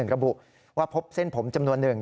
ระบุว่าพบเส้นผมจำนวนหนึ่ง